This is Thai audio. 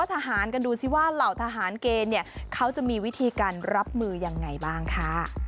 ทหารกันดูสิว่าเหล่าทหารเกณฑ์เนี่ยเขาจะมีวิธีการรับมือยังไงบ้างค่ะ